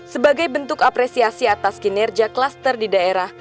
sebagai bentuk apresiasi atas kinerja klaster di daerah